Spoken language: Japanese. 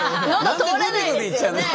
何でグビグビいっちゃうの？